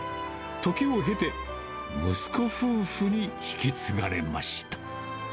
時を経て、息子夫婦に引き継がれました。